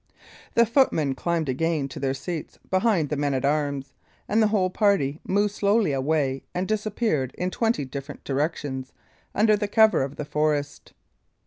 The footmen climbed again to their seats behind the men at arms, and the whole party moved slowly away and disappeared in twenty different directions, under the cover of the forest.